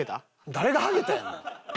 誰が「ハゲた？」やねん。